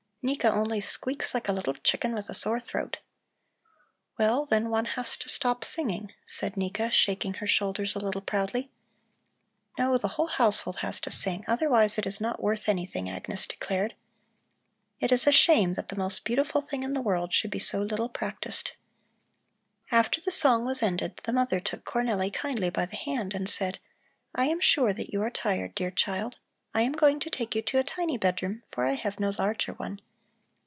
Nika only squeaks like a little chicken with a sore throat." "Well, then one has to stop singing," said Nika, shaking her shoulders a little proudly. "No, the whole household has to sing, otherwise it is not worth anything," Agnes declared. "It is a shame that the most beautiful thing in the world should be so little practiced." After the song was ended the mother took Cornelli kindly by the hand and said: "I am sure that you are tired, dear child. I am going to take you to a tiny bedroom, for I have no larger one.